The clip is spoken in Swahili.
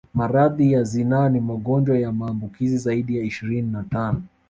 Maradhi ya zinaa ni magonjwa ya maambukizi zaidi ya ishirini na tano